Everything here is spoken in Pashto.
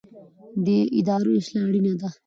د ادارو اصلاح اړینه ده